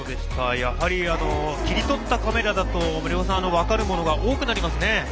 やはり切り取ったカメラだと森岡さん分かるものが多くなりますね。